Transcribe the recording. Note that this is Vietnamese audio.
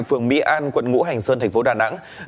phường mỹ an quận ngũ hành sơn thành phố đà nẵng